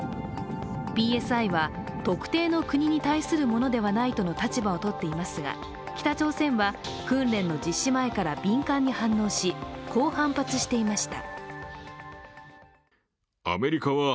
ＰＳＩは特定の国に対するものではないとの立場を取っていますが、北朝鮮は訓練の実施前から敏感に反応し、こう反発していました。